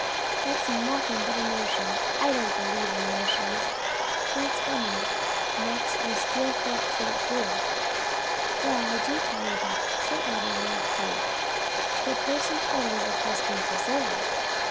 "That's nothing but a notion. I don't believe in notions. You'll tell me next our steel forks won't do." "Well, I do tell you that. Certainly they will not do, to a person always accustomed to silver."